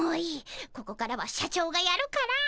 ここからは社長がやるから。